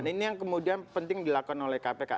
nah ini yang kemudian penting dilakukan oleh kpk